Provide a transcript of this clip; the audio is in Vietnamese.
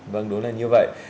vâng đúng là như vậy